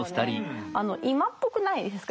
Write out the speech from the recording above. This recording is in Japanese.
今っぽくないですか。